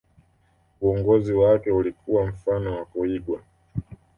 uongozi wake ulikuwa mfano wa kuigwa